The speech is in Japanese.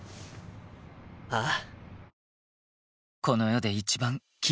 ああ。